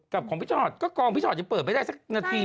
ของพี่ชอตก็กองพี่ชอตยังเปิดไม่ได้สักนาที